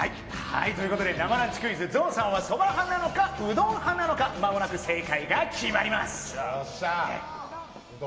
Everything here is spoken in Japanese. ということで、生ランチクイズ、ゾウさんはそば派なのか、うどん派なのか、まもなく正解が決まります。